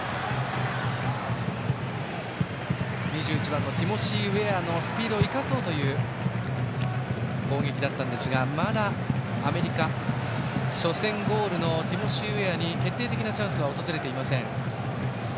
２１番、ティモシー・ウェアのスピードを生かそうという攻撃だったんですがまだアメリカ、初戦でゴールのティモシー・ウェアに決定的なチャンスは訪れていません。